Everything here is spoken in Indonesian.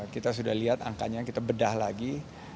kita sudah lihat angkanya kita bedah lagi